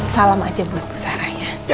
salam aja buat bu sarah ya